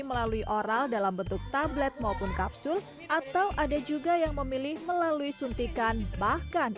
melalui oral dalam bentuk tablet maupun kapsul atau ada juga yang memilih melalui suntikan bahkan